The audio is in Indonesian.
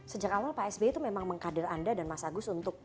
sejak awal pak sby itu memang mengkader anda dan mas agus untuk